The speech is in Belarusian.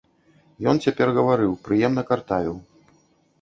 Ён цяпер гаварыў, прыемна картавіў.